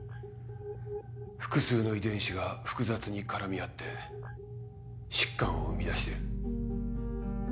複数の遺伝子が複雑に絡み合って疾患を生み出している。